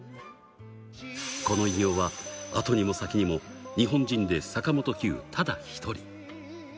この偉業は、あとにも先にも日本人で坂本九ただ一人。